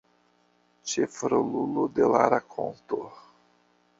Ĉefrolulo de la rakonto.